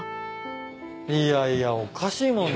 いやいやおかしいもんね。